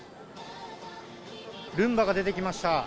ルンバが出てきました。